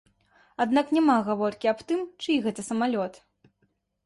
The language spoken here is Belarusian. Аднак няма гаворкі аб тым, чый гэта самалёт.